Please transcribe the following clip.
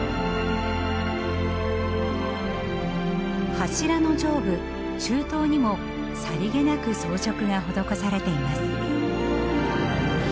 柱の上部柱頭にもさりげなく装飾が施されています。